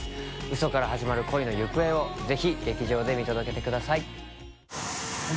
Ε修藥呂泙恋の行方をぜひ劇場で見届けてください。